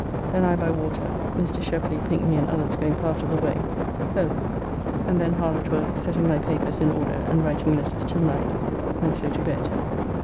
Then I by water (Mr. Shepley, Pinkney, and others going part of the way) home, and then hard at work setting my papers in order, and writing letters till night, and so to bed.